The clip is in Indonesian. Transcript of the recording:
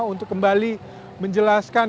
untuk kembali menjelaskan